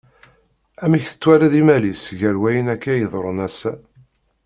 Amek tettwaliḍ imal-is gar wayen akka iḍerrun ass-a?